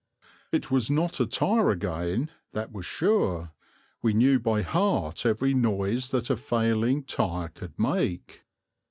It was not a tire again; that was sure; we knew by heart every noise that a failing tire could make.